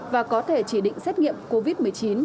và có thể chỉ định xét nghiệm covid một mươi chín